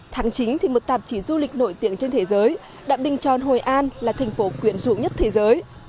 tháng chín thì một tạp chí du lịch nổi tiếng trên thế giới đã bình chọn hội an là thành phố quyển rũ nhất thế giới